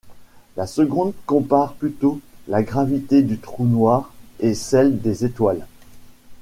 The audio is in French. La seconde compare plutôt la gravité du trou noir et celle des étoiles.